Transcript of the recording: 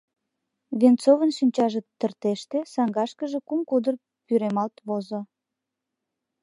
Венцовын шинчаже тыртеште, саҥгашкыже кум кудыр пӱремалт возо.